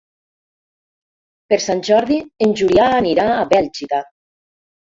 Per Sant Jordi en Julià anirà a Bèlgida.